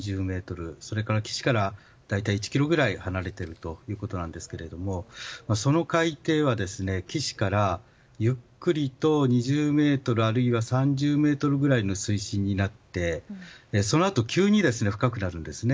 それから岸から大体１ｋｍぐらい離れているということなんですがその海底は岸からゆっくりと２０ｍあるいは３０ｍぐらいの水深になってそのあと、急に深くなります。